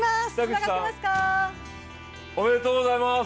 おめでとうございます！